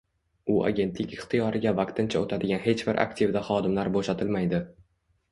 u agentlik ixtiyoriga vaqtincha o‘tadigan hech bir aktivda xodimlar bo‘shatilmaydi